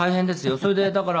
それでだから。